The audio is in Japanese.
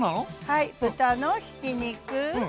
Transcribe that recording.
はい豚のひき肉